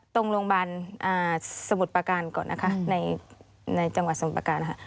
ตรงโรงพยาบาลสมุทรประการก่อนนะคะในจังหวัดสมประการค่ะ